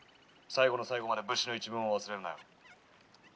最後の最後まで武士の一分を忘れるなよ」。